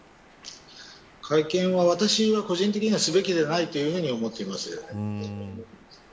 会見は、私は個人的にはすべきでないと思っています。